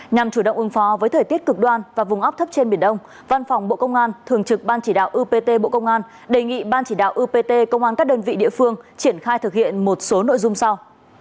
nhằm chủ động ứng phó với thời tiết cực đoan và vùng áp thấp trên biển đông văn phòng bộ công an thường trực ban chỉ đạo upt bộ công an đề nghị ban chỉ đạo upt công an các đơn vị địa phương triển khai thực hiện một số nội dung sau